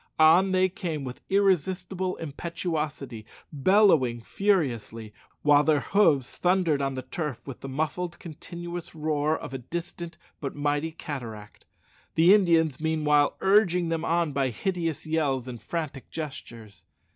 On they came with irresistible impetuosity, bellowing furiously, while their hoofs thundered on the turf with the muffled continuous roar of a distant but mighty cataract; the Indians, meanwhile, urging them on by hideous yells and frantic gestures.